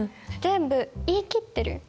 全部言い切っている。